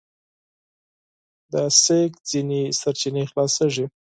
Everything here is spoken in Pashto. د انرژي ځينې سرچينې خلاصیږي.